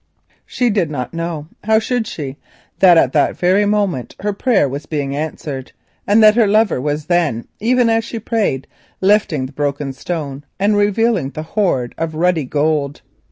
She did not know—how should she?—that at this very moment her prayer was being answered, and that her lover was then, even as she prayed, lifting the broken stone and revealing the hoard of ruddy gold.